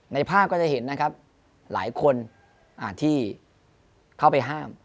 ในภาพก็จะเห็นนะครับหลายคนที่เข้าไปห้าม